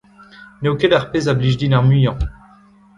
N'eo ket ar pezh a blij din ar muiañ.